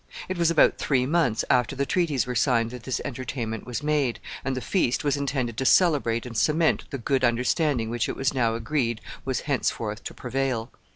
It was about three months after the treaties were signed that this entertainment was made, and the feast was intended to celebrate and cement the good understanding which it was now agreed was henceforth to prevail.